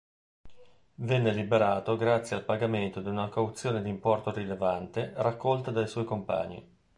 Venne liberato grazie al pagamento di una cauzione d'importo rilevante raccolta dai suoi compagni.